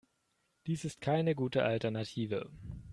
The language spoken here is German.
Dies ist keine gute Alternative.